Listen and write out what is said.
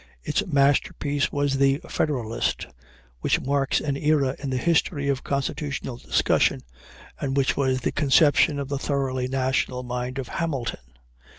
Its masterpiece was the Federalist, which marks an era in the history of constitutional discussion, and which was the conception of the thoroughly national mind of Hamilton.